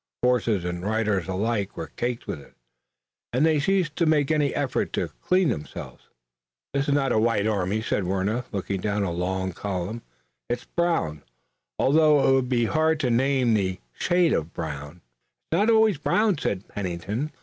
Horses and riders alike were caked with it, and they ceased to make any effort to clean themselves. "This is not a white army," said Warner, looking down a long column, "it's brown, although it would be hard to name the shade of brown." "It's not always brown," said Pennington.